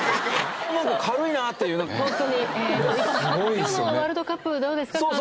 「今日のワールドカップどうですか？感想」。